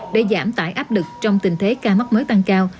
để giảm tải áp lực trong tình thế ca mắc mới tăng cao